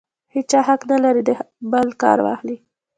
هېچا حق نه لري د بل کار واخلي.